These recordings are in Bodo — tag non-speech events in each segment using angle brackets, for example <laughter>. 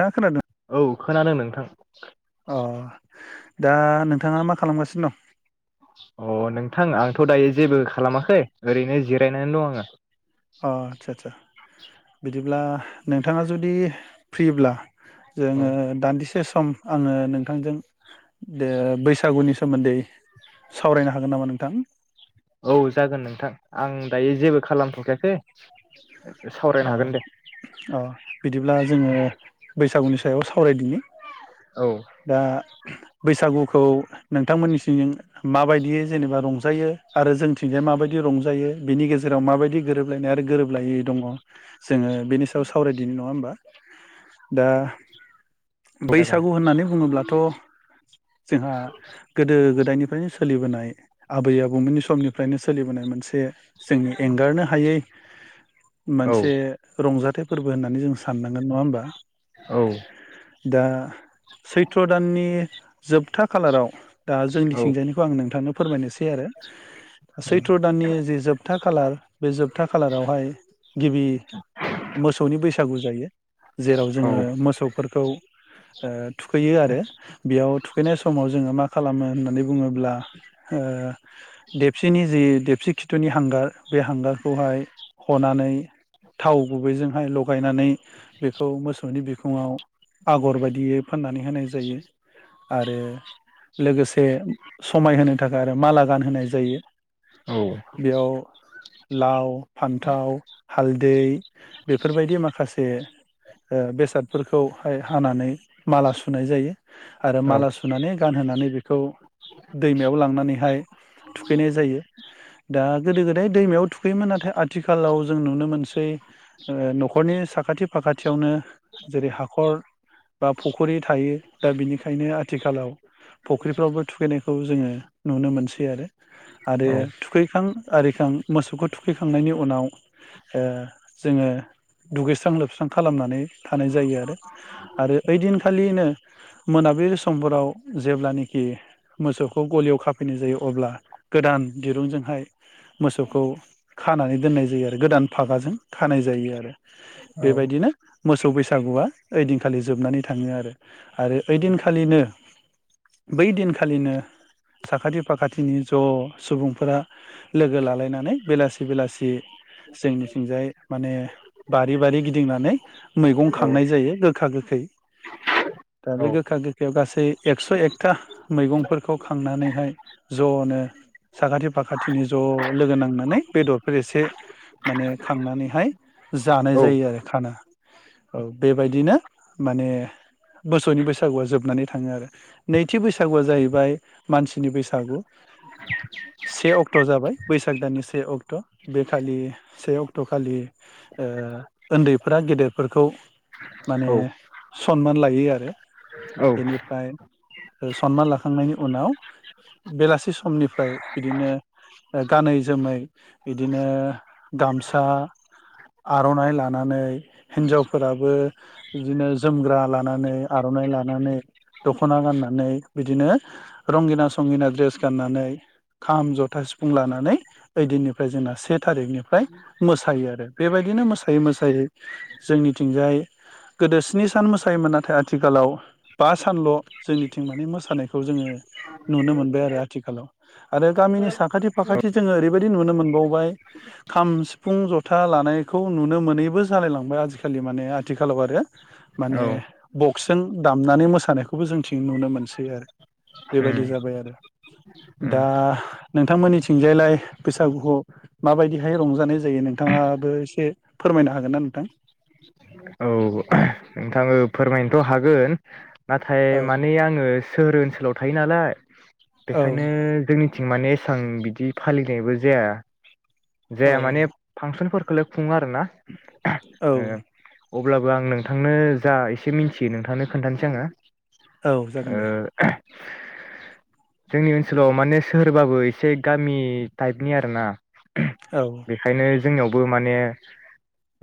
दा खोनादो औ खोनादों नोंथां अ दा नोंथांङा मा खालामगासिनो दं अ नोंथां आंथ' दायो जेबो खालामाखै ओरैनो जिरायनानै दं आङो अ आदसा आदसा बिदिब्ला नोंथांङा जुदि फ्रिब्ला औ जोङो दान्दिसे से सम आङो नोंथांजों दो बैसागुनि सोमोन्दै सावरायनो हागोन नामा नोंथां। औ जागोन नोंथां आं दायो जेबो खालाम थ'खायाखै। अह अह बिदिब्ला जोंङो बैसागुनि सायाव सावरायदिनि औ दा बैसागुखौ नोंथांमोननि सिं माबायदियै जेनेबा रंजायो आरो जोंथिंजाय माबायदि रंजायो बिनि गेजेराव माबायदि गोरोबलायनाय आरो गोरोबलायै दङ। जोङो बेनि सायाव सावरायदिनि नङा ओमबा । दा जागोन बैसागु होननानै बुङोब्लाथ' जोंहा गोदो गोद--। दायनिफ्रायनो सोलिबोनाय आबै आबौमोननि समनि फ्रायनो सोलिबोनाय मोनसे जोंनि एंगारनो हायै औ मोनसे र रंजाथाइ फोरबो होननानै जों साननांगोन नङा होमबा औ दा सैथ्र' दाननि जोबथा खालाराव दा औ जोंनिथिंजायानिखौ आं नोंथांनो फोरमायनोसै आरो सैथ्र' दाननि जि जोबथा खालार बे जोबथा खालारावहाय गिबि मोसौनि बैस सागु जायो जेराव औ जोङो मोसौफोरखौ ओ थुखैयो आरो बेयाव थुखैनाय समाव जोङो माखा खालामो होननानै बुङोब्ला ओ देबसिनि जि देबसि खिथुनि हांगार बे हांगारखौहाय हनानै थाव गुबैजोंहाय लगायनानै बेखौ मोसौनि बिखुङाव आगर बायदियै फोननानै होनाय जायो आरो लोगोसे समायहोनो थाखाय आरो माला गानहोनाय जायो औ बेयाव लाव फान थाव हालदै बेफोरबायदि माखासे ओ बेसादफोरखौहाय हानानै माला सुनाय जायो आरो औ माला सुनानै गान होनानै बे खौ दैमायाव लांनानैहाय थुखैनाय जायो दा गोदो गोदाय दैमायाव थुखैयोमोन नाथाय आथिखालाव जों नुनो मोनस सै ओ न'खरनि साखाथि फाखाथियावनो जेरै हाखर बा फुखरि थायो। दा बिनिखायनो आथिखालाव फुख्रिफ्रावबो थुखैनाय खौ जोङो नुनो मोनसै आरो आरो औ थुखैखां आरिखां मोसौखौ थुखैखांनायनि उनाव ओ जोङो दुगैस्रां लोबस्रां खालामनानै थानाय जायो आरो आरो ओइदिनखालिनो मोनाबिलि समफोराव जेब्लानोखि मोसौखौ गलियाव खाफैनाय जायो अब्ला गोदान दिरुंजोंहाय मोसौखौ खानानै दोननाय जायो गोदान फागाजों खानाय जायो आरो औ बेबायदिनो मोसौ बैसागुआ ओइदिनखालि जोबनानै थाङो आरो आरो ओइदिनखालिनो बै दिनखालिनो साखाथि फाखाथिनि ज सुबुंफोरा लोगो लालायनानै बेलासि बेलासि जोंनिथिंजाय माने बारि बारि गिदिंनानै मैगं खांनाय जायो गोखा गोखै दा औ बे गोखा गोखैयाव गासै एक्स एकथा मैगंफोरखौ खांनानैहाय जनो साखाथि फाखाथिनि ज लोगो नांनानै बेदरफोर एस माने खांनानैहाय जानाय जायो आरो खाना। औ बेबायदिनो माने मोसौनि बैसागुआ जोबनानै थाङो आरो नैथि बैसागुआ जाहैबाय मानसिनि बैसागु से अक्ट जाबाय बैसाग दाननि स से अक्ट बे थ खालि ओ उन्दैफ्रा गेदेरफोरखौ माने सनमान लायो आरो बेनिफ्राय सन्मान लाखांनायनि उनाव बेलासि समनिफ्राय बिदिनो गानै जोमै बिदि नो गामसा आरनाइ लानानै हिनजावफोराबो बिदिनो जोमग्रा लानानै आरनाइ लानानै दखना गाननानै बिदिनो रंगिना संगिना द्रेस गाननानै खाम, जथा, सिफुं लानानै ओइदिननिफ्राय जोंना से थारिखनिफ्राय मोसायो आरो बेबायदिनो मोसायै मोसायै जोंनिथिंजाय गोदो स्नि सान मोसायोमोन नाथाय आथिखालाव बा सानल जोंनिथिं माने मोसानायखौ जोङो नुनो मोनबाय आरो आथिखालाव आरो गामिनि साखाथि फाखाथि जोङो ओरै बेबायदि नुनो मोनबावबाय खाम सिफुं जथा लानायखौ नुनो मोनैबो जालायलांबाय आजिखालि माने आथिखालाव आरो माने बक्सजों दामनानै मोसानायखौबो जोंथिं नुनो मोनसै आरो बेबायदि उम जाबाय आरो उम दा नोंथांमोननिथिंजायलाय बैसागुखौ माबायदिहाय रंजानाय जायो नोंथाङाबो एसे फोरमायनो हागोन ना नोंथां नोंथाङो फोरमायनोथ हागोन नाथाय औ माने आङो सोहोर ओनसोलाव थायो नालाय औ बेखायनो जोंनि थिं माने एसां बिदि फालिनायबो जाया जाया माने फांसनफोर खोलोब सुङो आरो ना <inaudible> औ ओ अब्लाबो आं नों नोंथांनो जा एसे मिनथियो नोंथांनो खोन्थानोसै आङो औ जागोन दे। ओ जोंनि ओनसोलाव माने सोहोरबाबो एसे गामि टाइपनि आरोना <unintelligible> औ बेखायनो जोंनियावबो माने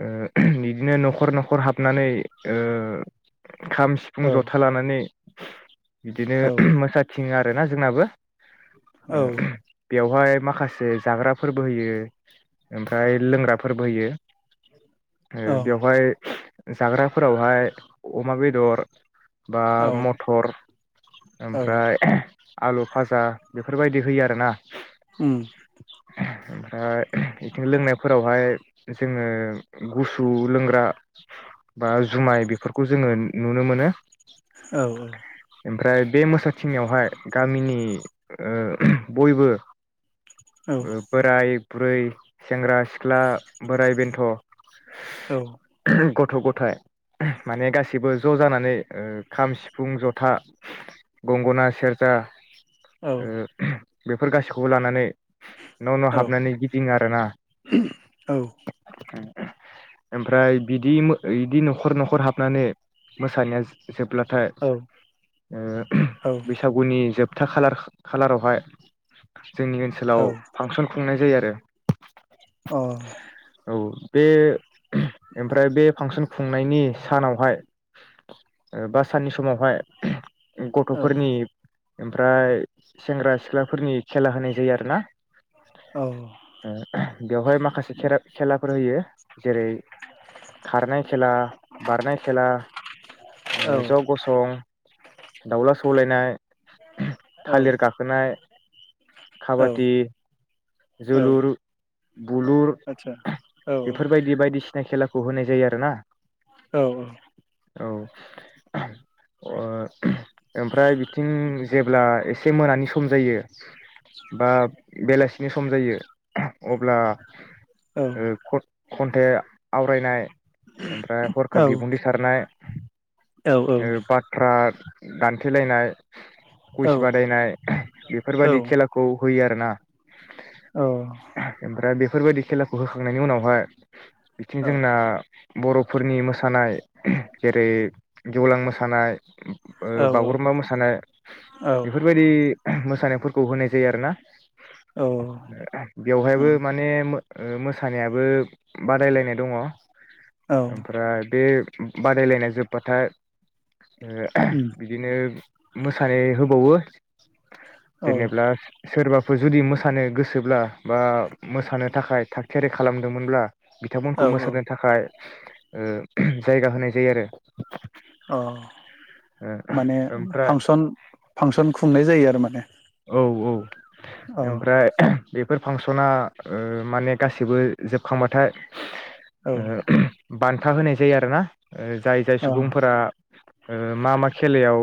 ओ <unintelligible> इदिनो नखर नखर हाबो हाबनानै ओ खाम औ सिफुं जथा लानानै बिदिनो औ <unintelligible> मोसाथि थाङो आरो ना जोंनाबो औ ओ <unintelligible> बेवहाय माखासे जाग्राफोरबो होयो ओमफ्राय लोंग्राफोरबो होयो । ओ बेवहाय जाग्राफोरावहाय अमा बेदर बा औ मटर औ ओमफ्राय आलु फाजा बेफोरबायदि होयो आरोना उम । ओमफ्राय ओहोम बिथिं लोंनायफोरावहाय जोङो गुसु लोंग्रा बा जुमाय बेफोरखौ जोङो नुनो मोनो । औ औ । बे मोसाथिं नायावहाय गामिनि <unintelligible> बयबो औ ओ बोराय बुरै सेंग्रा सिख्ला बोराय बेन्थ औ । गथ गथायाइ ओ माने गासैबो ज जानानै ओ खाम सिफुं जथा गंगना सेरजा औ अ ओ बेफोर गासैखौबो लानानै न' न' औ हाबनानै गिदिङो आरोना उम ओमफ्राय बिदि इदि नख'र नख'र हाबनानै मोसानाया जोब्लाथाय औ ओ बैसागुनि जोब था खालार खा खालारावहाय जोंनि ओनसोलाव फांसन खुंनाय जायो आरो <inaudible> औ औ बे ओमफ्राय बे फांसन खुंनायनि सानावहाय ओ बास साननि समावहाय गथ'फोरनि ओमफ्राय सेंग्रा सिख्लाफोरनि खेला होनाय जायो आरो ना ओ बेवहाय माखासे खेरा खेलाफोर होयो जेरै खारनाय खेला, बारनाय खेला, ओ औ ज' गसं दावला सौलायनाय थालिर गाखोनाय, खाबादि औ जोलुर, बुलुर आतसा औ बेफोरबायदि बायदिसिना खेला खौ होनाय जायो आरो ना औ औ औ ओ ओमफ्राय बिथिं जेब्ला एसे मोनानि सम जायो बा बेलासि नि सम जायो अब्ला औ ओ ख खन्थे आवरायनाय ओमफ्राय हरखाब बिबुंथि सारनाय औ उम ओ बाथ्रा दानथेलायनाय कुइस बादायनाय बेफोरबादि खेलाखौ होयो आरो ना औ फोरबायदि खेलाखौ होखांनायनि उनावहाय बिथिं जोंना बर'फोरनि मोसानाय जेरै गेवलां मोसानाय बागुरुम्बा मोसानाय बेफोरबायदि म मोसानायफोरखौ होनाय जायो आरोना बेवहायबो माने मोसानायाबो बादायलायनाय दङ । ओमफ्राय बे बादायलायनाय जोब्बाथाय बिदिनो मोसानाय होबावो <inaudible> जेनेब्ला सोरबा बे जुदि मोसा मोसानो गोसोब्ला बा मोसानो थाखाय थाग थियारि खालामदोंमोनब्ला बिथांमोनखौ औ मोसानो थाखाय जायगा होनाय जायो आरो अ ओ माने ओमफ्राय फांसन फांसन खुंनाय जायो आरो माने औ औ औ ओमफ्राय बेफोर फांसना माने गासिबो जोबखांबाथाय औ ओ बान्था होनाय जायो आरो ना जाय जाय सुबुंफोरा मा मा खेलायाव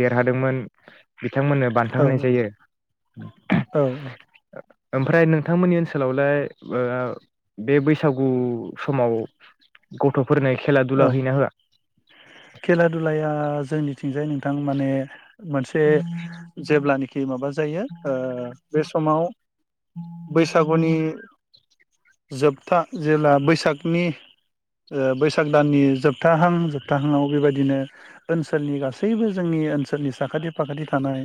देरहादोंमोन बिथांमोननो बान्था होनाय औ जायो । औ ओमफ्राय नोंथांमोननि ओनसोलावलाय बे बैसागु समाव गथ' औ खेला दुलाया जोंनि जाय नोंथां माने मोनसे जेल्बानोखि माबा जायो बे समाव बैसागुनि जोबथा जेब्ला बैसागनि बै सागदाननि जोबथाहां जोबथाहांआव बेबायदिनो ओनसोलनि गासैबो जोंनि ओनसोलनि साखाथि फाखाथि थानाय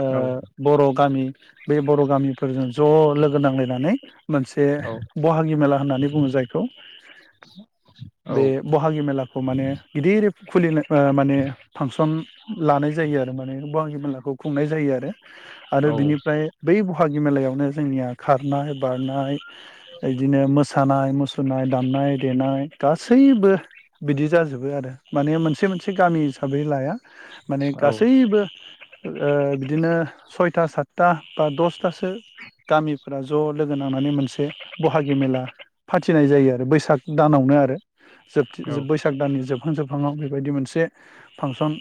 आ औ बर'फ गामि बे बर' गामिफोरजों ज' लोगो नांलायनानै मोनसे औ बाहागि मेला होननानै बुङो जायखौ । <inaudible> बे बहागि मेला खौ माने गिदिर खुलि माने फांसन लानाय जायो आरो माने बाहागि मेलाखौ खुंनाय जायो आरो। आरो औ बिनिफ्राय बै। बहागि मेलायावनो जोंनिया खारनाय बारनाय एदिनो मोसानाय मुसुर। नाय दामनाय देनाय। गासैबो बिदि जाजोबो आरो माने मोनसे मोनसे गामि हिसाबै लाया। माने गासैबो बिदिनो सयथा सातथा बा दसथासो गामिफोरा ज' लोगो नांनानै मोनसे बहागि मेला फाथिनाय जायो आरो बैसाग दानावनो आरो। औ जोबथि बैसाग दाननि जोब। फांसन खालामनाय बायदि मोनसे फांसन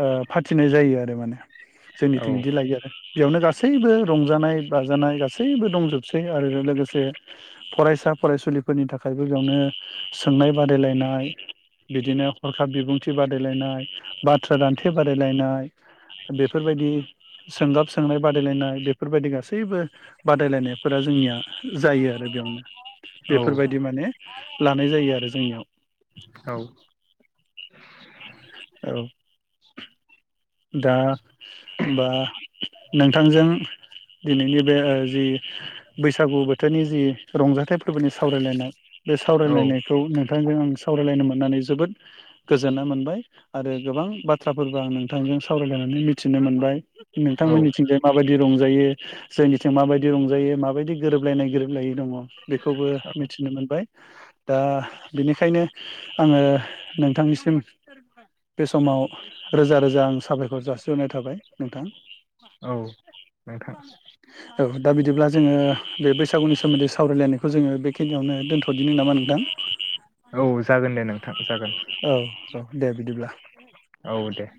ओ फाथिनाय जायो आरो माने। जोंनिथिं बिदि लायो आरो। बेयावनो गासैबो रंजानाय बाजानाय गासैबो दंजोबसै आरो लोगोसे फरायसा फरायसुलिफोरनि थाखायबो बेयावनो सोंनाय बादायलायनाय। बिदिनो हरखाब बिबुं थि बादायलायनाय बाथ्रा दान्थे बादायलायनाय। बेफोरबायदि सोंगाब सोंनाय बादायलायनाय बेफोरबायदि गासैबो बादायलायनायफोरा जोंनिया जायो आरो बेयावनो। औ बेफोरबायदि माने ला नाय जायो आरो जोंनियाव। औ। <inaudible> औ दा होमब्ला नोंथांजों दिनैनि बे जि बैसागु बोथोरनि जि रंजाथाइ फोरबोनि सावरायलायनाय। बे औ सावरायलायनायखौ नोंथांजों आं सावरायलायनो मोननानै जोबोद गोजोन्नाय मोनबाय। आरो गोबां बाथ्राफोरबो आं नोंथांजों सावरायलायनानै मिथिनो मोनबाय। औ नोंथांमोननिथिंजाय माबायदि रंजायो जोंनिथिं माबायदि रंजायो माबायदि गोरोबलायनाय गोरोबलायै दङ। बेखौबो मिथिनो मोनबाय। दा बेनिखायनो आङो नोंथांनिसिम बे समाव रोजा रोजा आं साबायखर जासिहरनाय थाबाय नोंथां । औ नोंथां । औ दा बिदिब्ला जोंङो बे बैसागुनि सोमोन्दै सावरायलायनायखौ जोंङो बेखिनियावनो दोन्थ'दिनो नामा नोंथां? औ जागोन दे नोंथां । औ दे बिदिब्ला औ दे ।